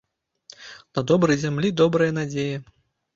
На добрай зямлі добрая надзея